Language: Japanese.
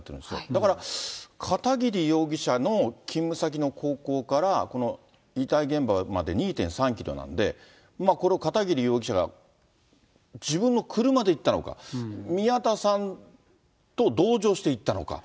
だから、片桐容疑者の勤務先の高校から、この遺体現場まで２．３キロなんで、これ、片桐容疑者が自分の車で行ったのか、宮田さんと同乗していったのか。